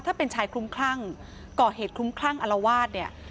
ถ้าเป็นชายคลุ้มคลั่งก่อเหตุคลุ้มคลั่งอลวาสเนี่ย